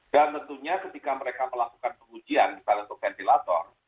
dan tentunya ketika mereka melakukan pengujian misalnya untuk ventilator